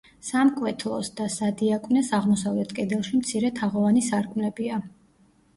სამკვეთლოს და სადიაკვნეს აღმოსავლეთ კედელში მცირე თაღოვანი სარკმლებია.